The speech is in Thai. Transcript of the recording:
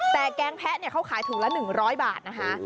แต่แกงแพะเขาขายถุงละ๑๐๐บาทนะคะ